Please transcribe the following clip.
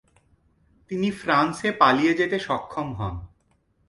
তিনি ফ্রান্সে পালিয়ে যেতে সক্ষম হন।